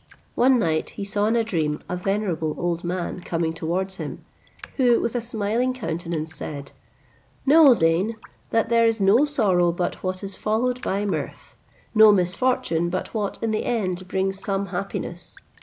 One night he saw in a dream a venerable old man coming towards him, who with a smiling countenance said, "Know, Zeyn, that there is no sorrow but what is followed by mirth, no misfortune but what in the end brings some happiness.